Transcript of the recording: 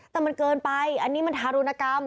แต่มันเกินไปอันนี้มันทารุณกรรม